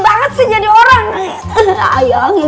udah specialist transpare